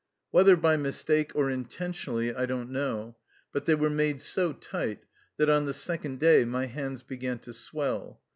Whether by mistake or in tentionally, I don't know, but they were made so tight that on the second day my hands began to swell.